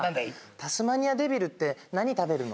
タスマニアデビルって何食べるの？